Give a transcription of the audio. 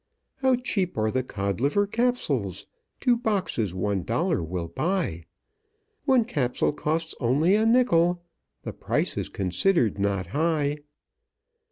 "How cheap are the Codliver Capsules; Two boxes one dollar will buy! One Capsule costs only a nickel The price is considered not high.